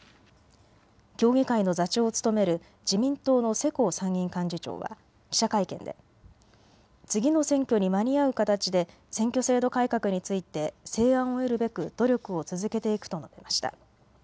協議会の座長を務める自民党の世耕参議院幹事長は記者会見で次の選挙に間に合う形で選挙制度改革について成案を得るべく努力を続けていくと述べました。